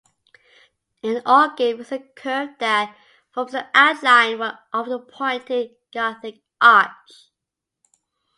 An ogive is the curve that forms the outline of a pointed gothic arch.